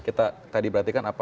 kita tadi perhatikan